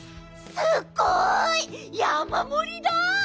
すっごいやまもりだ！